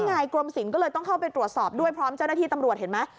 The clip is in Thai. ไงกรมศิลป์ก็เลยต้องเข้าไปตรวจสอบด้วยพร้อมเจ้าหน้าที่ตำรวจเห็นไหม